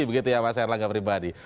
begitu ya mas air langga pribadi